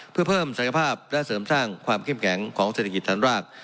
เพื่อเพิ่มศักยภาพและเสริมสร้างความเข้มแข็งของเศรษฐกิจฐานราก